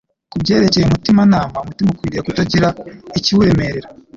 Ku byerekcye umutimanama, umutima ukwiriye kutagira ikiwuremerera.